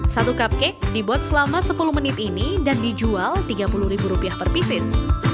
satu cupcake dibuat selama sepuluh menit ini dan dijual rp tiga puluh ribu rupiah per pisis